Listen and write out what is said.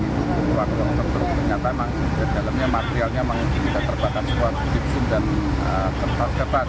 waktu waktu terdekat ternyata memang di dalamnya materialnya memang kita terbakar sebuah tipsun dan kertas kertas